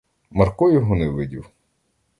Марко його не видів.